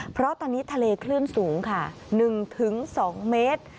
เพราะตอนนี้ทะเลคลื่นสูงค่ะหนึ่งถึงสองเมตร